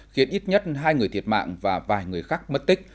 khiến ít nhất hai người thiệt mạng và vài người khác mất tích